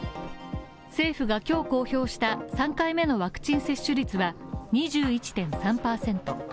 政府が今日公表した３回目のワクチン接種率は２１．３％。